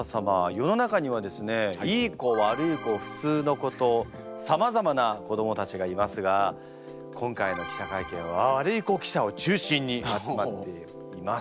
世の中にはですねいい子悪い子普通の子とさまざまな子どもたちがいますが今回の記者会見はワルイコ記者を中心に集まっています。